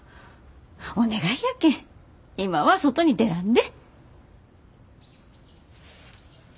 お願いやけん今は外に出らんで。